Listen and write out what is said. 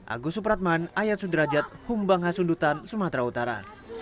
agus supratman ayat sudrajat humbang hasundutan sumatera utara